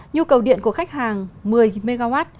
nhu cầu điện của khách hàng một mươi mw